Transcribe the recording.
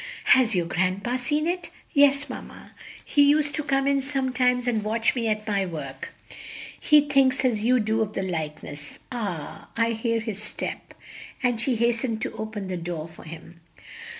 "Has your grandpa seen it?" "Yes, mamma, he used to come in sometimes and watch me at my work. He thinks as you do of the likeness. Ah, I hear his step!" and she hastened to open the door for him.